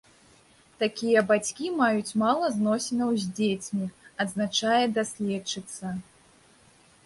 Такія бацькі маюць мала зносінаў з дзецьмі, адзначае даследчыца.